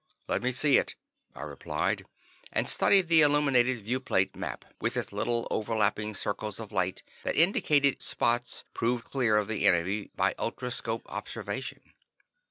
"Let me see it," I replied, and studied the illuminated viewplate map, with its little overlapping circles of light that indicated spots proved clear of the enemy by ultroscopic observation.